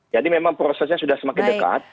jadi memang prosesnya sudah semakin dekat